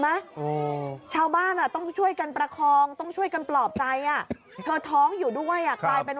ชาวบ้านอ่ะต้องช่วยกันประคองต้องช่วยกันปลอบใจอ่ะเธอท้องอยู่ด้วยอ่ะกลายเป็น